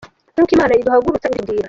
Nkuko imana iduhagurutsa ibitubwira